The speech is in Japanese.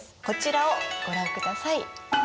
こちらをご覧ください。